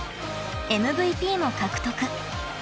ＭＶＰも獲得］